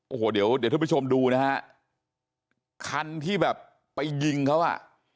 โอ้โหเดี๋ยวเดี๋ยวท่านผู้ชมดูนะฮะคันที่แบบไปยิงเขาอ่ะ